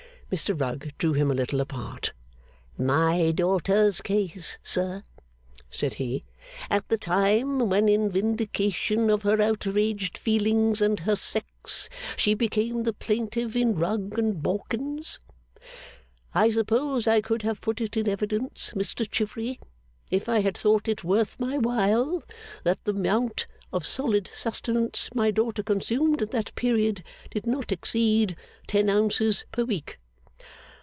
Mr Rugg drew him a little apart. 'My daughter's case, sir,' said he, 'at the time when, in vindication of her outraged feelings and her sex, she became the plaintiff in Rugg and Bawkins. I suppose I could have put it in evidence, Mr Chivery, if I had thought it worth my while, that the amount of solid sustenance my daughter consumed at that period did not exceed ten ounces per week.